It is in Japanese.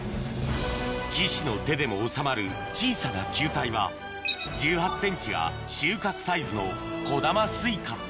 岸の手でも収まる小さな球体は１８ｃｍが収穫サイズの小玉スイカ